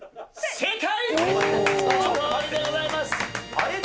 正解！